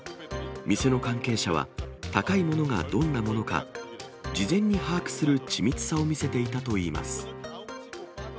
店の関係者は高いものがどんなものか、事前に把握する緻密さを見せていたといいます。